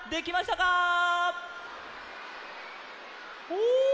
お！